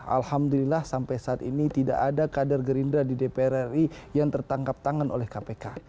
alhamdulillah sampai saat ini tidak ada kader gerindra di dpr ri yang tertangkap tangan oleh kpk